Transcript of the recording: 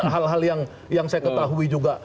hal hal yang saya ketahui juga